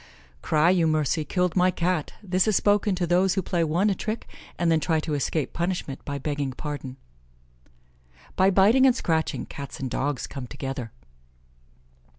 "Cry you mercy, killed my Cat." This is spoken to those who play one a trick, and then try to escape punishment by begging pardon. "By biting and scratching, Cats and Dogs come together."